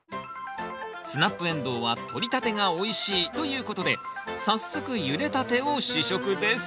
スナップエンドウはとりたてがおいしいということで早速ゆでたてを試食です